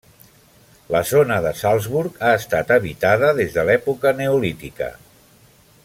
La zona de Salzburg ha estat habitada des de l'època neolítica.